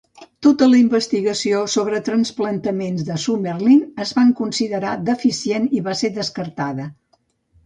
Tota la investigació sobre transplantaments de Summerlin es va considerar deficient i va ser descartada.